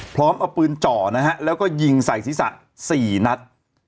พร้อมเอาปืนจ่อนะฮะแล้วก็ยิงใส่ศีรษะ๔นัด